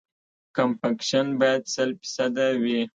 کمپکشن باید سل فیصده وي